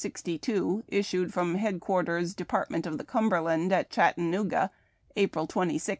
62, issued from Headquarters Department of the Cumberland, at Chatta nooga, April 26, 1864.